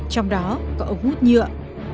trong đó có ống hút nhựa